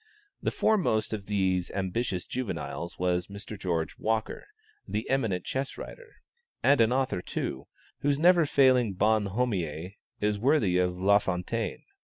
The foremost of these ambitious juveniles was Mr. George Walker, the eminent Chess writer, and an author, too, whose never failing bonhommie is worthy of Lafontaine.